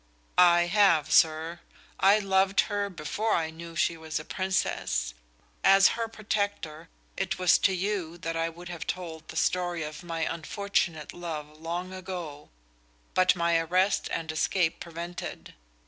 "I have, sir. I loved her before I knew she was a Princess. As her protector, it was to you that I would have told the story of my unfortunate love long ago, but my arrest and escape prevented.